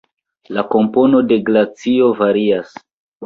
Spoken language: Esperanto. La kompono de glacio varias.